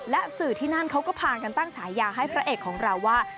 และสื่อที่นั่นเขาก็พากันตั้งฉายาให้พระเอกของเราว่า